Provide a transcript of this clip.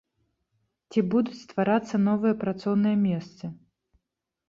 Ці будуць стварацца новыя працоўныя месцы?